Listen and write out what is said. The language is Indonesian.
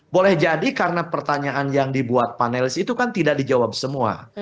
boleh jadi karena pertanyaan yang dibuat panelis itu kan tidak dijawab semua